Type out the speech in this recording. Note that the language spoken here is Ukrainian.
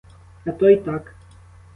А то й так.